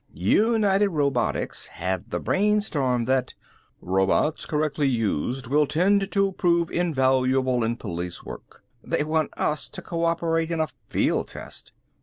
United Robotics have the brainstorm that ... robots, correctly used will tend to prove invaluable in police work ... they want us to co operate in a field test